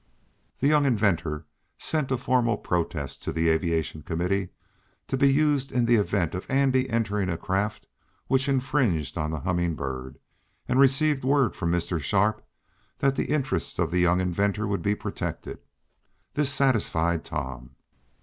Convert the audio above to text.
The young inventor sent a formal protest to the aviation committee, to be used in the event of Andy entering a craft which infringed on the Humming Bird, and received word from Mr. Sharp that the interests of the young inventor would be protected. This satisfied Tom.